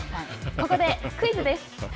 ここでクイズです。